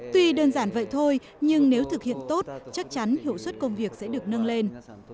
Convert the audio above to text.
tuy đơn giản vậy thôi nhưng nếu thực hiện tốt chắc chắn hiệu suất công việc sẽ được nâng lên